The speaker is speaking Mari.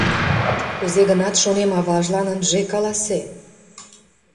Кузе-гынат, шонем, аважлан ынже каласе.